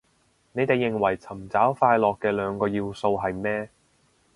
你哋認為尋找快樂嘅兩個要素係咩